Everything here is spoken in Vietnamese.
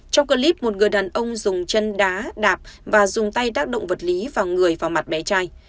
trong clip một người đàn ông dùng chân đá đạp và dùng tay tác động vật lý vào người vào mặt bé trai